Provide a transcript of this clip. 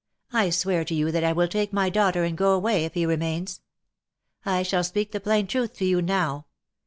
I swear to you that I will take my daughter and go away, if he remains. I shall speak the plain truth to you now.